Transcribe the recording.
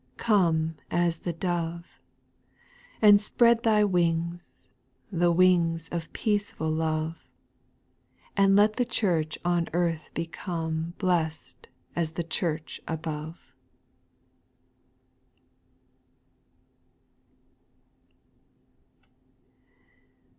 5. Come as the dove, — and spread Thy wings, The wings of peaceful love ; And let the Church on earth become Blest as the Church above.